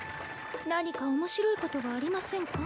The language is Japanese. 何か面白いことはありませんか？